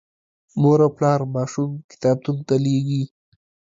مور او پلار ماشوم کتابتون ته لیږي.